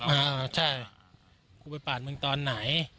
เอ้าใช่ไปฟาดมึงตอนไหน